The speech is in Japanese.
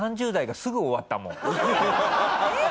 えっ？